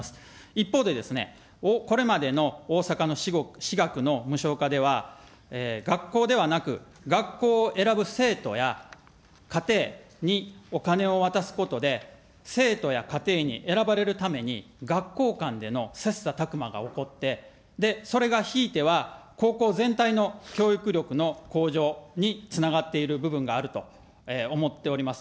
一方で、これまでの大阪の私学の無償化では、学校ではなく学校を選ぶ生徒や、家庭にお金を渡すことで、生徒や家庭に選ばれるために、学校間での切さたく磨が起こって、それがひいては高校全体の教育力の向上につながっている部分があると思っております。